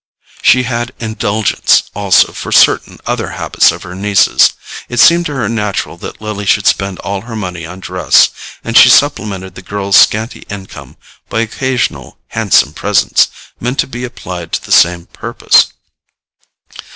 She had indulgence also for certain other habits of her niece's. It seemed to her natural that Lily should spend all her money on dress, and she supplemented the girl's scanty income by occasional "handsome presents" meant to be applied to the same purpose.